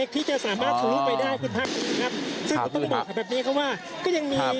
คุณภูริพัฒน์บุญนิน